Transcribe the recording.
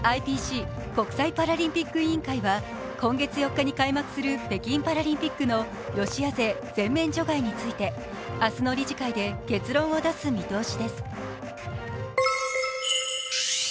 ＩＰＣ＝国際パラリンピック委員会は今月４日に開幕する北京パラリンピックのロシア勢全面除外について明日の理事会で結論を出す見通しです。